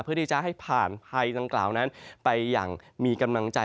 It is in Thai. เพื่อที่จะให้ผ่านภัยดังกล่าวนั้นไปอย่างมีกำลังใจ